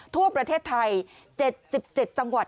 ทั่วประเทศไทย๗๗จังหวัด